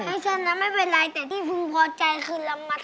ให้ฉันนั้นไม่เป็นไรแต่ที่เพิ่งพอใจคือเรามาทำบุญ